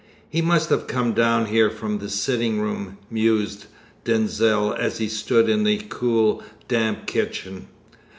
"He must have come down here from the sitting room," mused Denzil, as he stood in the cool, damp kitchen.